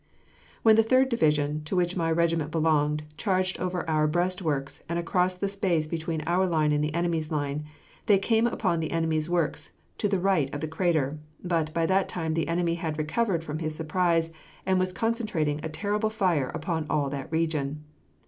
When the Third Division, to which my regiment belonged, charged over our breastworks and across the space between our line and the enemy's line, they came upon the enemy's works to the right of the crater; but by that time the enemy had recovered from his surprise, and was concentrating a terrible fire upon all that region.